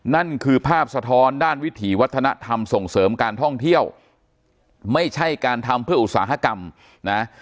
นั่นคือภาพสะท้อนด้านวิถีวัฒนธรรมส่งเสริมการท่องเที่ยวไม่ใช่การทำเพื่ออุตสาหกรรมนะ